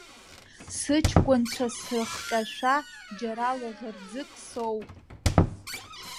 Сыҷкәынцәа срыхҟьашәа џьара лаӷырӡык соуп!